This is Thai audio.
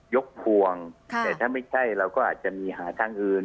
พวงแต่ถ้าไม่ใช่เราก็อาจจะมีหาทางอื่น